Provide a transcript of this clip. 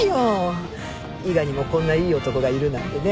伊賀にもこんないい男がいるなんてね。